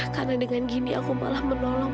karena dengan gini aku malah menolong